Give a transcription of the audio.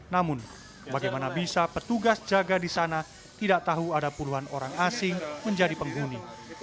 namun bagaimana bisa petugas jaga di sana tidak tahu ada puluhan orang asing menjadi penghuni